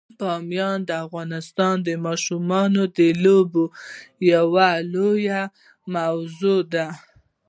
بامیان د افغانستان د ماشومانو د لوبو یوه لویه موضوع ده.